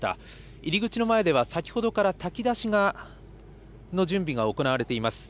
入り口の前では先ほどから炊き出しの準備が行われています。